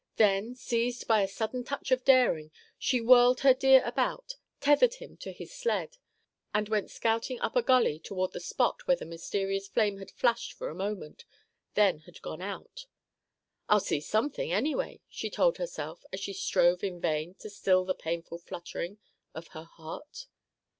Then, seized by a sudden touch of daring, she whirled her deer about, tethered him to his sled, and went scouting up a gully toward the spot where the mysterious flame had flashed for a moment, then had gone out. "I'll see something, anyway," she told herself as she strove in vain to still the painful fluttering of her heart.